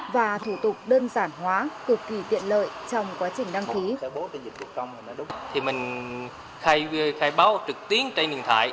và thủ tục đơn giản hóa cực kỳ tiện lợi trong quá trình đăng ký